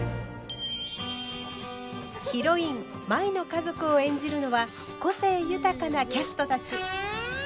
ヒロイン舞の家族を演じるのは個性豊かなキャストたち。